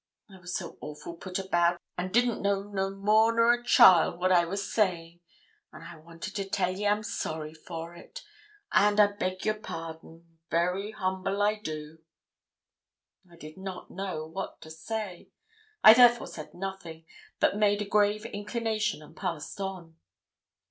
I was so awful put about, and didn't know no more nor a child what I was saying; and I wanted to tell ye I'm sorry for it, and I beg your pardon very humble, I do.' I did not know what to say. I therefore said nothing, but made a grave inclination, and passed on.